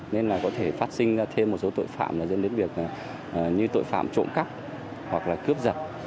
nên là có thể phát sinh thêm một số tội phạm dẫn đến việc như tội phạm trộm cắp hoặc là cướp giật